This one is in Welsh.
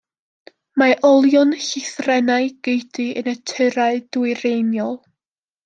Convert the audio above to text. Mae olion llithrennau geudy yn y tyrau dwyreiniol.